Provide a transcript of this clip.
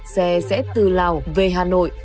xe sẽ từ lào về hà nội